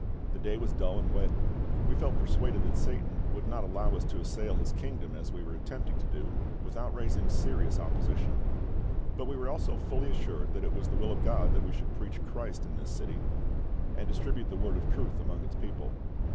The day was dull and wet. We felt persuaded that Satan would not allow us to assail his kingdom, as we were attempting to do, without raising serious opposition; but we were also fully assured that it was the will of GOD that we should preach CHRIST in this city, and distribute the Word of Truth among its people.